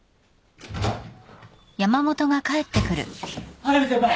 速見先輩！